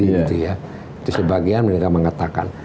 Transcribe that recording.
itu sebagian mereka mengatakan